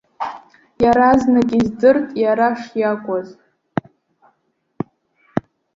Иаразнак издырт иара шиакәыз.